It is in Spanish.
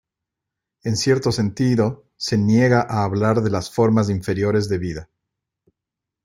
En cierto sentido se niega a hablar de las formas inferiores de vida.